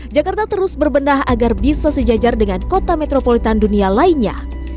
jakarta terus berbenah agar bisa sejajar dengan kota metropolitan dunia lainnya